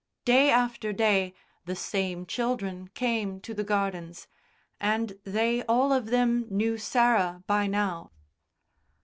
Day after day the same children came to the gardens, and they all of them knew Sarah by now.